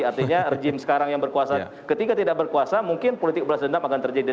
karena rejim sekarang yang berkuasa ketika tidak berkuasa mungkin politik beras dendam akan terjadi